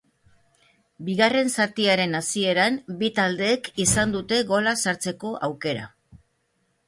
Bigarren zatiaren hasieran bi taldeek izan dute gola sartzeko aukera.